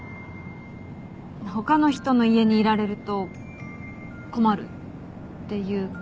他の人の家にいられると困るっていうか。